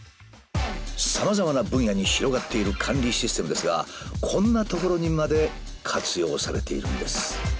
さまざまな分野に広がっている管理システムですがこんな所にまで活用されているんです。